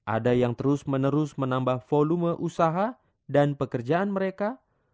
ada yang terus menerus menambah volume usaha dan pekerjaan mereka